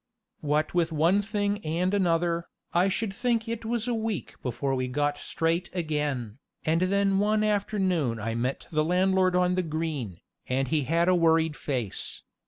What with one thing and another, I should think it was a week before we got straight again, and then one afternoon I met the landlord on the green, and he had a worried face.